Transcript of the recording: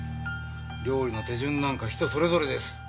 料理の手順なんか人それぞれです。